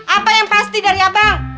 apa yang pasti dari abang